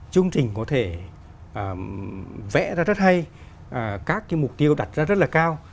chương trình có thể vẽ ra rất hay các mục tiêu đặt ra rất là cao